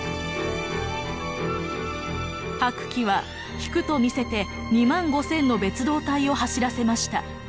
白起は引くと見せて２万５，０００の別動隊を走らせました。